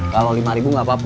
kalau lima ribu nggak apa apa